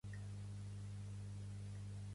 Pertany al moviment independentista l'Olivia?